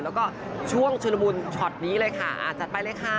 แล้วก็ช่วงชุลมุนช็อตนี้เลยค่ะจัดไปเลยค่ะ